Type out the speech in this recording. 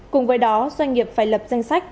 cùng với đó doanh nghiệp phải lập danh sách